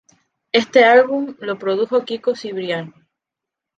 Éste álbum, lo produjo Kiko Cibrián.